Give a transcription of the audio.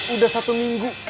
udah satu minggu